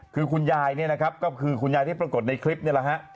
คือคุณยายเนี่ยนะครับก็คือคุณยายที่ปรากฏในคลิปนี่แหละฮะ